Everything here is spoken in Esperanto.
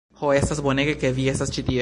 "Ho, estas bonege ke vi estas ĉi tie.